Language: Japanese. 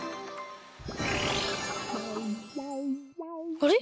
あれ？